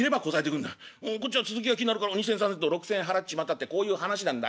こっちは続きが気になるから２銭３銭と６銭払っちまったってこういう話なんだ。